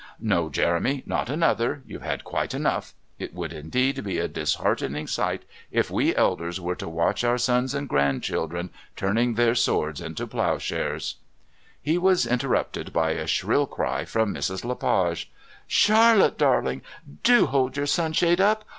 No, Jeremy, not another. You've had quite enough. It would indeed be a disheartening sight if we elders were to watch our sons and grandchildren turning their swords into ploughshares " He was interrupted by a shrill cry from Mrs. Le Page: "Charlotte, darling, do hold your sunshade up.